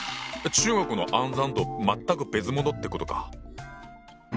中国の「暗算」と全く別物ってことか。